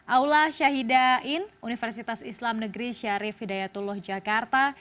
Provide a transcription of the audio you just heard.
aula syahidain universitas islam negeri syarif hidayatullah jakarta